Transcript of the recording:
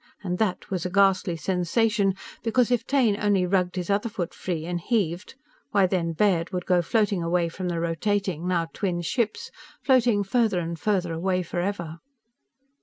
And that was a ghastly sensation, because if Taine only rugged his other foot free and heaved why then Baird would go floating away from the rotating, now twinned ships, floating farther and farther away forever.